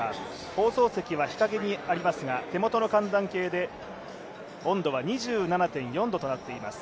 放送席は日陰にありますが手元の寒暖計で温度は２７．４度となっています。